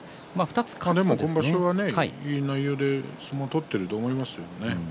今場所はいい内容で相撲を取っていると思いますよ。